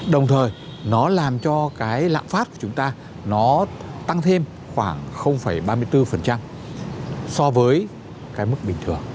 đồng thời nó làm cho lạng phát của chúng ta tăng thêm khoảng ba mươi bốn so với mức bình thường